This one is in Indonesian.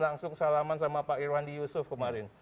langsung salaman sama pak irwandi yusuf kemarin